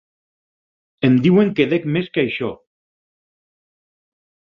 Em diuen que dec més que això.